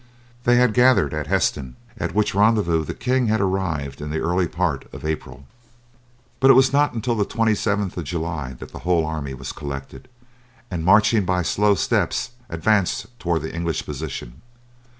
They had gathered at Hesdin, at which rendezvous the king had arrived in the early part of April; but it was not until the 27th of July that the whole army was collected, and marching by slow steps advanced towards the English position.